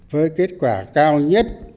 với kết quả cao nhất